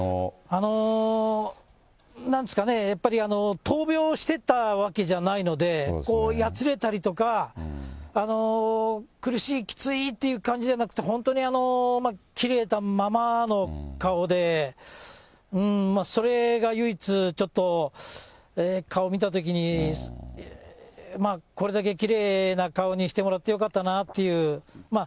なんですかね、やっぱり闘病してたわけじゃないので、やつれたりとか、苦しい、きついという感じじゃなくて、本当に、きれいなままの顔で、それが唯一、ちょっと、顔見たときに、まあ、これだけきれいな顔にしてもらってよかったなっていう。